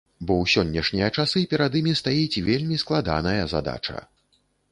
Бо ў сённяшнія часы перад імі стаіць вельмі складаная задача.